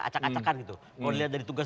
acak acakan gitu kalau dilihat dari tugas